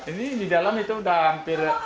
ini di dalam itu udah hampir